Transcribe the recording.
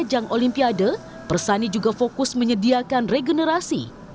ajang olimpiade persani juga fokus menyediakan regenerasi